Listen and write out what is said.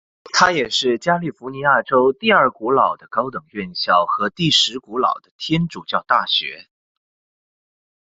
它也是加利福尼亚州第二古老的高等院校和第十古老的天主教大学。